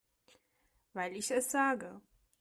Weil ich es sage.